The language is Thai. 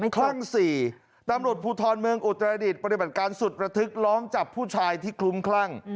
คลั่ง๔ตำรวจภูทรเมืองอุตรดิษฐ์ปฏิบัติการสุดระทึกล้อมจับผู้ชายที่คลุ้มคลั่ง